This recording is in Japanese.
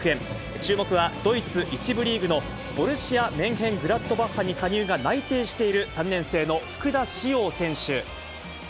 注目は、ドイツ１部リーグのボルシアメンヘングラッドバッハに加入が内定している３年生の福田師王選手。